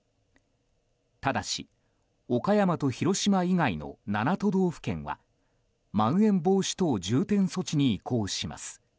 ただし岡山と広島以外の７都道府県はまん延防止等重点措置に移行します。